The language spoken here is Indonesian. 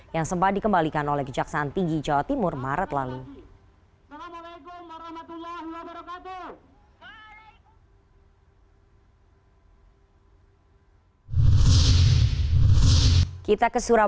yang sempat dikembalikan oleh kejaksaan tinggi jawa timur maret lalu